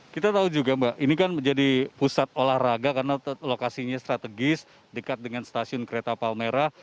kita tahu juga mbak ini kan menjadi pusat olahraga karena lokasinya strategis dekat dengan stasiun kereta palmerah